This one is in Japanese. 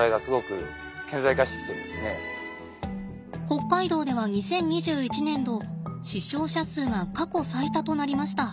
北海道では２０２１年度死傷者数が過去最多となりました。